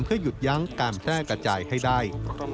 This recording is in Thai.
เพื่อหยุดยั้งการแพร่กระจายให้ได้